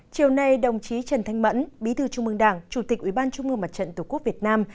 chiều nay đồng chí trần thanh mẫn bí thư trung mương đảng chủ tịch ủy ban trung mương mặt trận tổ quốc việt nam